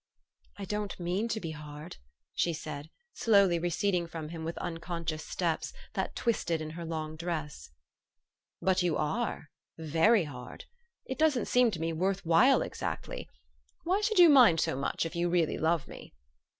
"" I don't mean to be hard/' she said, slowly re ceding from him with unconscious steps that twisted in her long dress. "But you are very hard. It doesn't seem to me worth while exactly. Why should you mind so much, if you really love me?